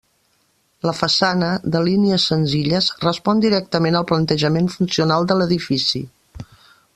La façana, de línies senzilles, respon directament al plantejament funcional de l'edifici.